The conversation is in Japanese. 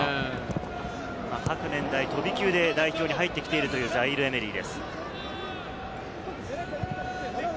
各年代、飛び級で代表に入ってきているというザイール＝エメリです。